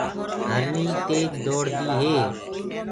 هرڻي تيج دوڙ دي هي۔